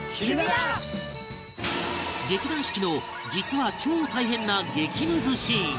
劇団四季の実は超大変な激ムズシーン